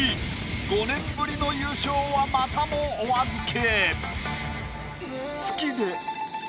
５年ぶりの優勝はまたもお預け。